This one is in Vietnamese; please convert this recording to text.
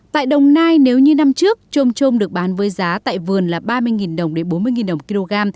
tại đồng nai nếu như năm trước trôm trôm được bán với giá tại vườn là ba mươi đồng đến bốn mươi đồng một kg